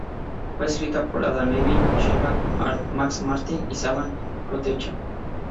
Fue escrita por Adam Levine, Shellback, Max Martin y Savan Kotecha.